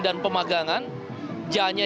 dan pemagangan janya